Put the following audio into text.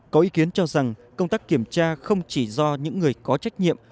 có ý kiến cho rằng công tác kiểm tra không chỉ do những người có trách nhiệm